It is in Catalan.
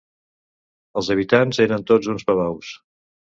Els habitants eren tots uns babaus.